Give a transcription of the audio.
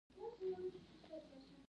هوایي ډګره بس کې څه کم دوه ساعته لاره ده.